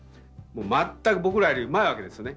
全く僕らよりうまいわけですよね